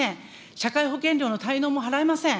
社会保険料の滞納も払えません。